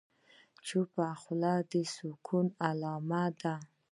چپه خوله، د سکون علامه ده.